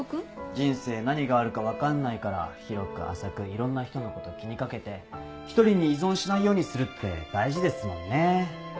人生何があるか分かんないから広く浅くいろんな人のこと気に掛けて１人に依存しないようにするって大事ですもんね。